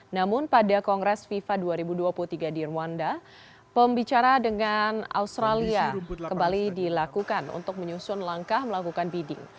namun pada kongres fifa dua ribu dua puluh tiga di rwanda pembicara dengan australia kembali dilakukan untuk menyusun langkah melakukan bidding